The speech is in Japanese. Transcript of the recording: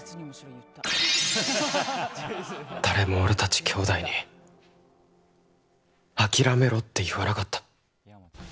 誰も俺たち兄弟に諦めろって言わなかった。